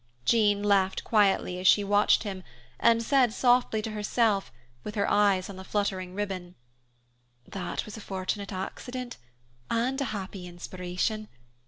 Jean laughed quietly as she watched him, and said softly to herself, with her eyes on the fluttering ribbon, "That was a fortunate accident, and a happy inspiration.